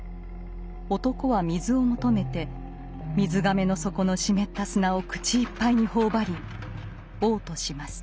男は水を求めて水甕の底のしめった砂を口いっぱいに頬張り嘔吐します。